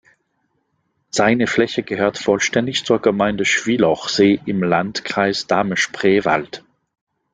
Seine Fläche gehört vollständig zur Gemeinde Schwielochsee im Landkreis Dahme-Spreewald.